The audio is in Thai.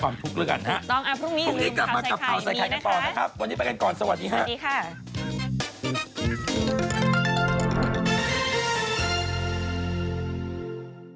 วันนี้ไปกันก่อนสวัสดีค่ะสวัสดีค่ะ